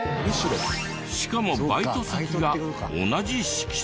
しかもバイト先が同じ敷地内。